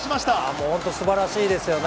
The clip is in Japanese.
もう本当素晴らしいですよね